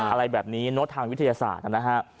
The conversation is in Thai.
อะไรแบบนี้เนอะทางวิทยาศาสตร์นะฮะ